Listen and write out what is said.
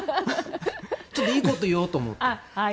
ちょっといいことを言おうと思って。